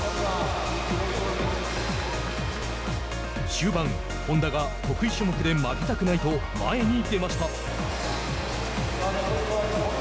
終盤、本多が得意種目で負けたくないと前に出ました。